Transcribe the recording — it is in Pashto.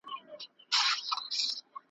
په نغمه کي به شرنګېږم لکه ومه `